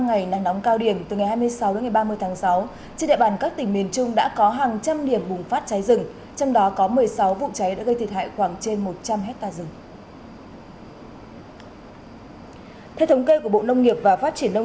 ngay trong chiều và tối hai mươi tám tháng sáu vì sợ ngọn lửa lan rộng bao trùm nhà dân